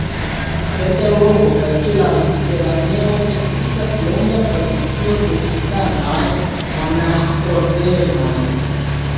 En Eŭropo kaj ĉe la Mediteraneo ekzistas longa tradicio de kristanaj monaĥ-ordenoj.